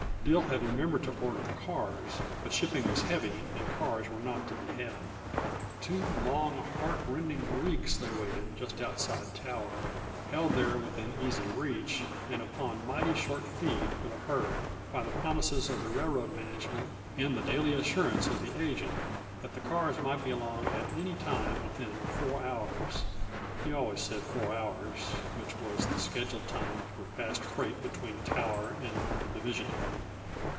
Dill had remembered to order the cars, but shipping was heavy and cars were not to be had. Two long, heartrending weeks they waited just outside Tower, held there within easy reach and upon mighty short feed for the herd by the promises of the railroad management and the daily assurance of the agent that the cars might be along at any time within four hours. (He always said four hours, which was the schedule time for fast freight between Tower and the division point.)